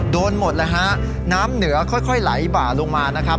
โดนหมดแล้วฮะน้ำเหนือค่อยไหลบ่าลงมานะครับ